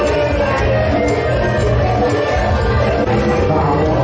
ค้าค้าเท่าไหร่